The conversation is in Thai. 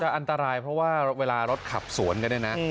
มันจะอันตรายเพราะว่าเวลารถขับสวนก็ได้นะ